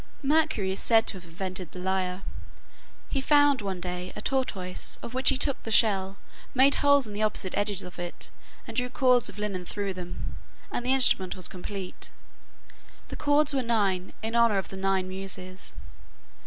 Mercury is said to have invented the lyre. He found, one day, a tortoise, of which he took the shell, made holes in the opposite edges of it, and drew cords of linen through them, and the instrument was complete. The cords were nine, in honor of the nine Muses.